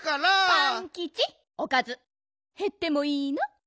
パンキチおかずへってもいいの？